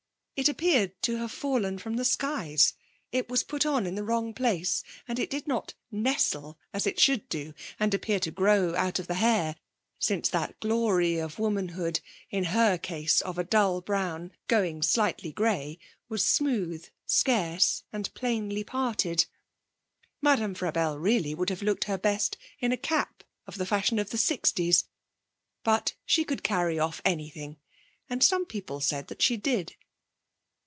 It appeared to have fallen from the skies; it was put on in the wrong place, and it did not nestle, as it should do, and appear to grow out of the hair, since that glory of womanhood, in her case of a dull brown, going slightly grey, was smooth, scarce and plainly parted. Madame Frabelle really would have looked her best in a cap of the fashion of the sixties. But she could carry off anything; and some people said that she did.